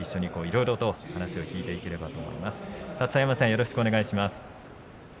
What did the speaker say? よろしくお願いします。